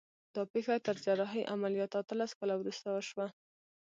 دا پېښه تر جراحي عملیات اتلس کاله وروسته وشوه